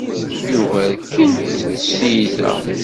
Yuba rkin-t s tyita.